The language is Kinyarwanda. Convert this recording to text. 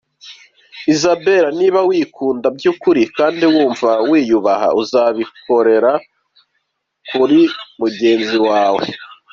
Isabelle : Niba wikunda by’ukuri kandi wumva wiyubaha uzanabikora kuri mugenzi wawe.